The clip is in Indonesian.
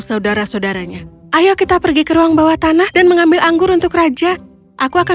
saudara saudaranya ayo kita pergi ke ruang bawah tanah dan mengambil anggur untuk raja aku akan